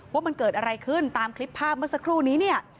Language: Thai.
ว่ามันเกิดอะไรขึ้นตามคลิปภาพเมื่อสักครู่นี้เนี่ย